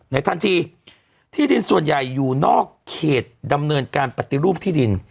ทันทีที่ดินส่วนใหญ่อยู่นอกเขตดำเนินการปฏิรูปที่ดิน